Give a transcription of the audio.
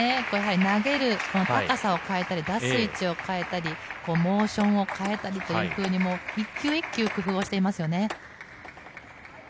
投げる高さを変えたり、出す位置を変えたり、モーションを変えたり、一球一球工夫をしていますね。